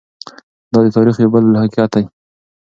دا د تاریخ یو بل حقیقت دی.